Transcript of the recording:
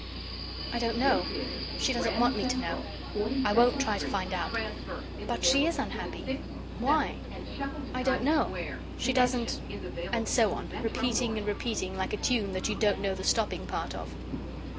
I don't know. She doesn't want me to know. I won't try to find out. But she IS unhappy. Why? I don't know. She doesn't " and so on, repeating and repeating like a tune that you don't know the stopping part of.